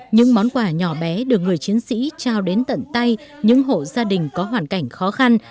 những món quà nhỏ bé được người chiến sĩ trao đến tận tay những hộ gia đình có hoàn cảnh khó khăn